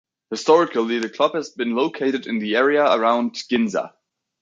Historically, the club has been located in the area around Ginza.